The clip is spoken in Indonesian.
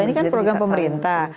ini kan program pemerintah